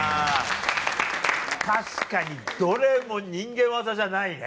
確かにどれも人間業じゃないね。